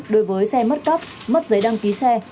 đối với xe mất cắp mất giấy đăng ký xe